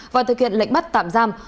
và thực hiện lệnh bắt tạm giam